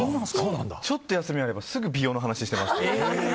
ちょっと休みがあればすぐに美容の話をしています。